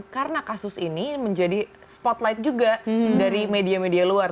karena kasus ini menjadi spotlight juga dari media media luar